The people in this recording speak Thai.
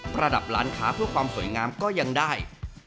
ระดับร้านค้าเพื่อความสวยงามก็ยังได้